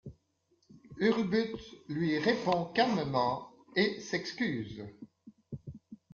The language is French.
Hurlbut lui répond calmement et s'excuse.